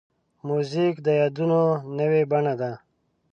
موزیک د یادونو نوې بڼه ده.